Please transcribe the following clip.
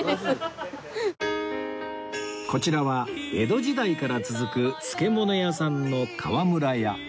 こちらは江戸時代から続く漬物屋さんの河村屋